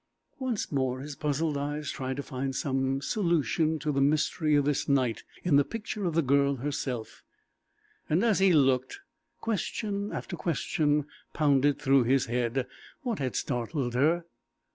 Once more his puzzled eyes tried to find some solution to the mystery of this night in the picture of the girl herself, and as he looked, question after question pounded through his head. What had startled her?